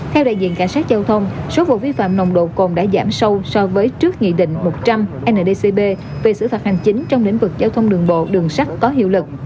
theo đại diện cảnh sát giao thông số vụ vi phạm nồng độ cồn đã giảm sâu so với trước nghị định một trăm linh ndcb về xử phạt hành chính trong lĩnh vực giao thông đường bộ đường sắt có hiệu lực